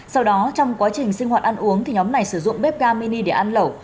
sau đó trong quá trình sinh hoạt ăn uống thì nhóm này sử dụng bếp ga mini để ăn lẩu